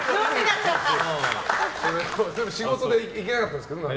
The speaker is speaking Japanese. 仕事で行けなかったんですけどね。